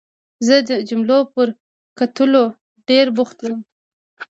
زه د جملو پر کټلو ډېر بوخت وم.